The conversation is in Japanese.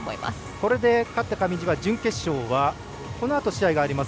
これで勝って上地は準決勝はこのあと試合があります